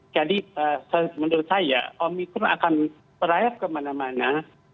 jadi menurut saya omikron akan merayap kemana mana